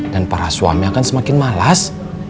dan para suami akan semakin malas